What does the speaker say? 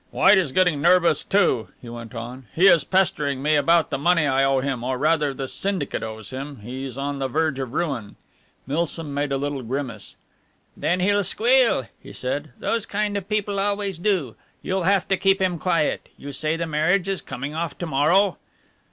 "White is getting nervous, too," he went on. "He is pestering me about the money I owe him, or rather the syndicate owes him. He's on the verge of ruin." Milsom made a little grimace. "Then he'll squeal," he said, "those kind of people always do. You'll have to keep him quiet. You say the marriage is coming off to morrow?"